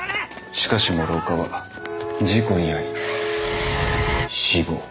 しかし諸岡は事故に遭い死亡。